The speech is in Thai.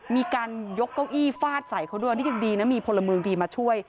มีการยกเก้าอี้ฟาดใส่เขาด้วยนี่ยังดีนะมีพลเมืองดีมาช่วย